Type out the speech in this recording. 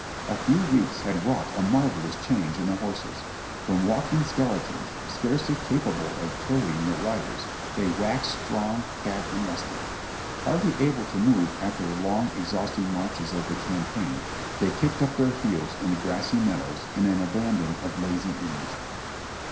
A few weeks had wrought a mar velous change in the horses; from walking skeletons, scarcely capable of carrying their riders, they waxed strong, fat and lusty; hardly able to move after the long, exhausting marches of the campaign, they kicked up their heels in the grassy meadows in an abandon of lazy ease.